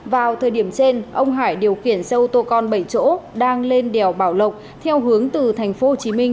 vào thời điểm trên ông hải điều kiển xe ô tô con bảy chỗ đang lên đèo bảo lộc theo hướng từ thành phố hồ chí minh